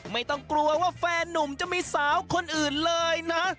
ไม่ต้องกลัวว่าแฟนนุ่มจะมีสาวคนอื่นเลยนะ